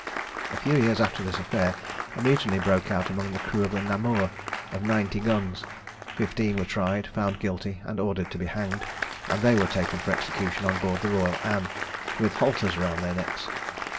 A few years after this affair a mutiny broke out among the crew of the Namur, of ninety guns. Fifteen were tried, found guilty, and ordered to be hanged; and they were taken for execution on board the Royal Ann, with halters round their necks.